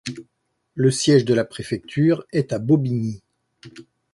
Le siège de la préfecture est à Bobigny.